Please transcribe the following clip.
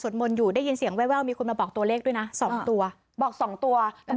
จริงค่ะ